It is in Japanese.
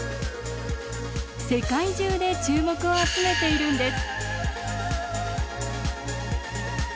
世界中で注目を集めているんです。